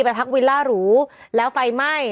พักวิลล่าหรูแล้วไฟไหม้